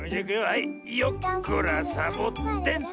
はいよっこらサボテンと。